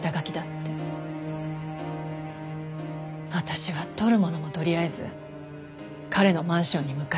私は取るものも取りあえず彼のマンションに向かいました。